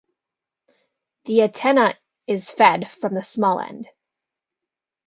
The antenna is fed from the small end.